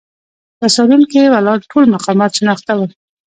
په سالون کې ولاړ ټول مقامات شناخته ول.